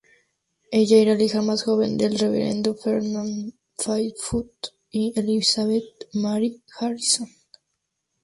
Ella era la hija más joven del Reverendo Ferdinand Faithfull y Elizabeth Mary Harrison.